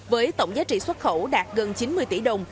với tổng giá trị xuất khẩu đạt gần chín mươi tỷ đồng